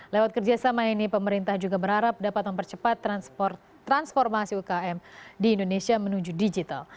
lewat kerjasama ini pemerintah juga berharap dapat mempercepat transformasi ukm di indonesia menuju digital